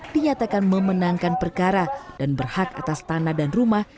dinyatakan memenangkan perkara dan berhak atas tanah dan rumah